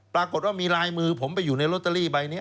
ปรากฏว่ามีลายมือผมไปอยู่ในลอตเตอรี่ใบนี้